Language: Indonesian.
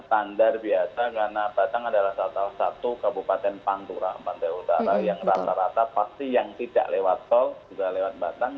standar biasa karena batang adalah salah satu kabupaten pantura pantai utara yang rata rata pasti yang tidak lewat tol juga lewat batang